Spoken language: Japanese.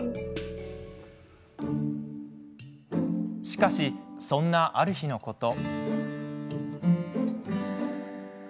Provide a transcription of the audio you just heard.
しかし、そんなある日のこと。